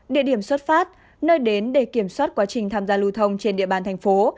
địa điểm xuất phát nơi đến để kiểm soát quá trình tham gia lưu thông trên địa bàn thành phố